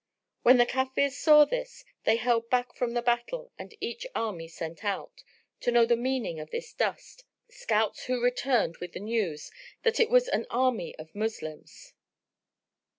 When the Kafirs saw this, they held back from the battle and each army sent out, to know the meaning of this dust, scouts, who returned with the news that it was an army of Moslems.